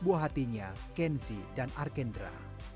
buah hatinya kensi dan arkendra